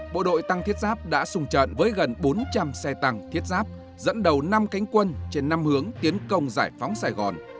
bộ đội tăng thiết giáp đã xung trận với gần bốn trăm linh xe tăng thiết giáp dẫn đầu năm cánh quân trên năm hướng tiến công giải phóng sài gòn